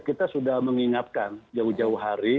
kita sudah mengingatkan jauh jauh hari